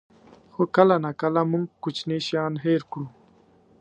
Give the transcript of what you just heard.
خو کله ناکله موږ کوچني شیان هېر کړو.